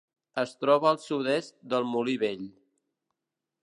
Es troba al sud-est del Molí Vell.